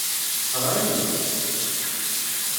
Ɣer-iyi-d!